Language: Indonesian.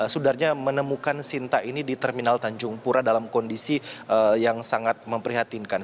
sudarja menemukan sinta ini di terminal tanjung pura dalam kondisi yang sangat memprihatinkan